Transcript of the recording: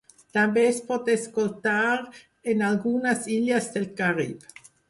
També es pot escoltar en algunes illes del Carib.